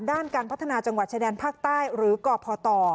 ด้านการพัฒนาจังหวัดชายแดนภาคใต้หรือกพต